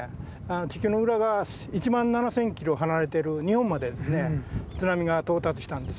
地球の裏側１万７０００キロ離れてる日本まで津波が到達したんです。